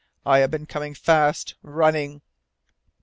I have been coming fast, running."